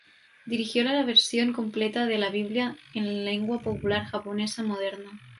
Dirigió la versión completa de la Biblia en lengua popular japonesa moderna.